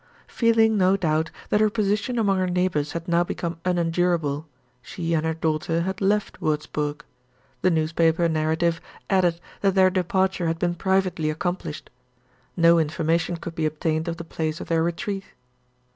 Feeling, no doubt, that her position among her neighbors had now become unendurable, she and her daughter had left Wurzburg. The newspaper narrative added that their departure had been privately accomplished. No information could be obtained of the place of their retreat.